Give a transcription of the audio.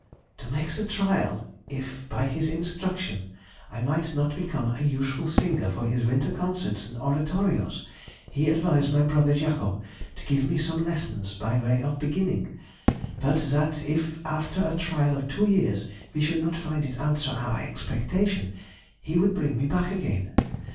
"to make the trial if by his instruction I might not become a useful singer for his winter concerts and oratorios, he advised my brother Jacob to give me some lessons by way of beginning; but that if after a trial of two years we should not find it answer our expectation he would bring me back again.